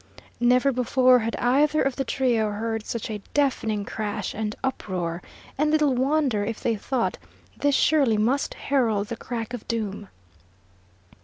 Never before had either of the trio heard such a deafening crash and uproar, and little wonder if they thought this surely must herald the crack of doom!